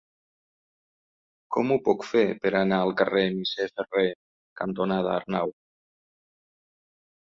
Com ho puc fer per anar al carrer Misser Ferrer cantonada Arnau?